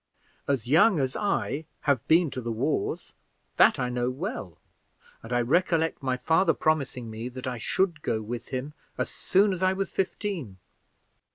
As young as I have been to the wars, that I know well; and I recollect my father promising me that I should go with him as soon as I was fifteen."